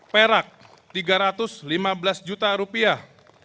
perak tiga ratus lima belas juta rupiah